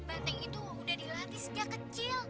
banteng itu udah dilatih sejak kecil